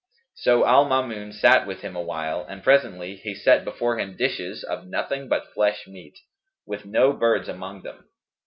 So Al Maamun sat with him awhile and presently he set before him dishes of nothing but flesh meat, with no birds among them.